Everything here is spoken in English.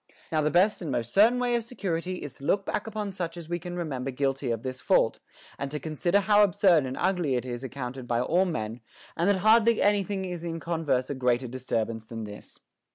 Now the best and most certain way of security is to look back upon such as we can remember guilty of this fault, and to consider how absurd and ugly it is accounted by all men, and that hardly any thing is in converse a greater disturbance than this.